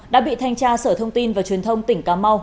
đã bị thanh tra sở thông tin và truyền thông tỉnh cà mau